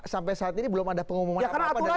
sampai saat ini belum ada pengumuman apa apa dari